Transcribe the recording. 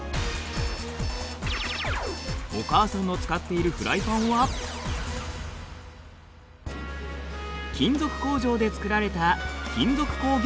お母さんの使っているフライパンは金属工場で作られた金属工業製品。